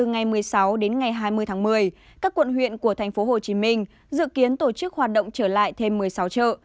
từ ngày một mươi sáu đến ngày hai mươi tháng một mươi các quận huyện của tp hcm dự kiến tổ chức hoạt động trở lại thêm một mươi sáu chợ